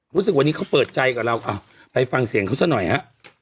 รู้สึกวันนี้เขาเปิดใจกับเราไปฟังเสียงเขาซะหน่อยฮะ